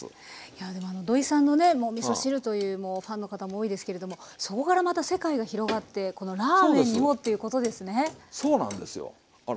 やあでも土井さんのねもうみそ汁というもうファンの方も多いですけれどもそこからまた世界が広がってこのラーメンにもということですね。